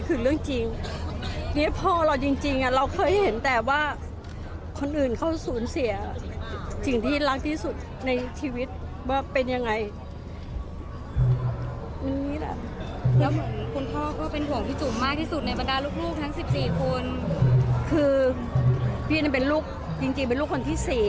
คือพี่นั้นเป็นลูกจริงเป็นลูกคนที่๔